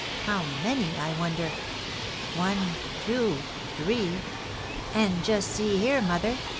How many, I wonder? One, two, three. And just see here, mother!